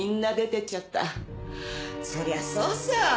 そりゃそうさ。